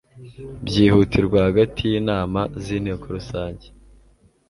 byihutirwa hagati y inama z inteko rusange